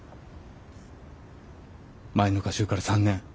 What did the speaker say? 前の歌集から３年。